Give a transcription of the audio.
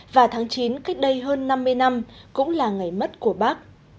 và tháng chín cách đây hơn năm mươi năm cũng là ngày mất của bác